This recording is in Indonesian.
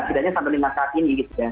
tidaknya sampai saat ini